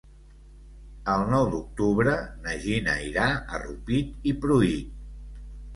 El nou d'octubre na Gina irà a Rupit i Pruit.